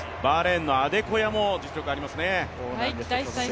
バーレーンのアデコヤも実力ありますね。